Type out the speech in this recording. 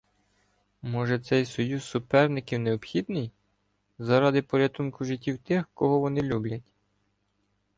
Може цей союз суперників необхідний, заради порятунку життів тих, кого вони люблять?